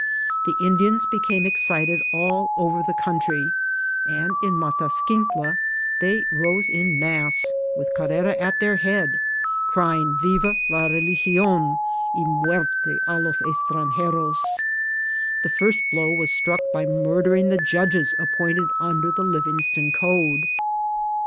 The Indians became excited all over the country ; and in Matasquintla they rose in mass, with Carrara at th^ head, crying '^Viva la Religi<m, y muerte a los Btrangeros T' The first blow was struck by murdering the judges appointed under the Living ston Code.